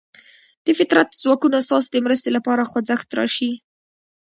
د فطرت ځواکونه ستاسې د مرستې لپاره خوځښت راشي.